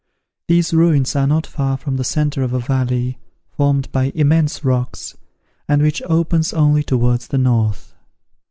These ruins are not far from the centre of a valley, formed by immense rocks, and which opens only towards the north.